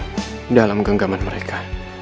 harapanku kokoh dalam genggaman mereka